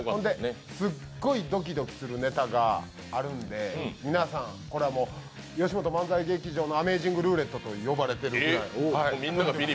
すっごいドキドキするネタがあるんでこれは、よしもと漫才劇場の「アメイジングルーレット」と呼ばれているくらい。